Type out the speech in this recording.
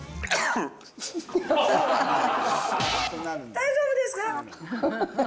大丈夫ですか？